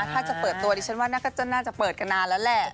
ถ้าจะเปิดตัวดิฉันว่าน่าจะเปิดกันนานแล้วแหละ